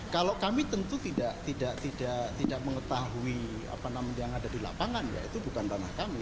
kalau kami tentu tidak mengetahui apa namanya yang ada di lapangan ya itu bukan ranah kami